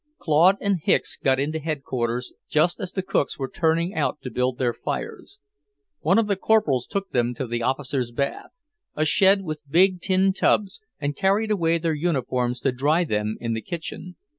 Claude and Hicks got into Headquarters just as the cooks were turning out to build their fires. One of the Corporals took them to the officers' bath, a shed with big tin tubs, and carried away their uniforms to dry them in the kitchen.